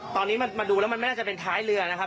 ตอนนี้มันมาดูแล้วมันไม่น่าจะเป็นท้ายเรือนะครับ